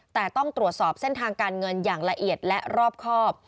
แต่ต้องตรวจสอบเส้นทางการเงินอย่างละเอียดและรอบครอบ